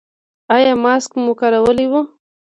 ایا ماسک مو کارولی و؟